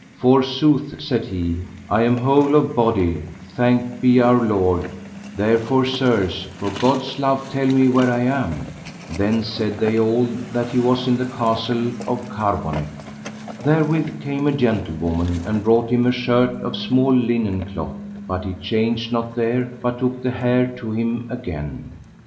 Forsooth, said he, I am whole of body, thanked be Our Lord; therefore, sirs, for God's love tell me where I am. Then said they all that he was in the castle of Carbonek. Therewith came a gentlewoman and brought him a shirt of small linen cloth, but he changed not there, but took the hair to him again.